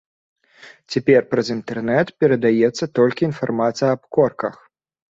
Цяпер праз інтэрнэт перадаецца толькі інфармацыя аб корках.